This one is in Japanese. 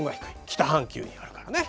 北半球にあるからね。